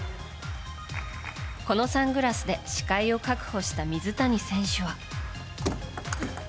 このサングラスで視界を確保した水谷選手は。